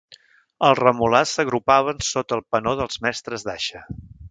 Els remolars s'agrupaven sota el penó dels mestres d'aixa.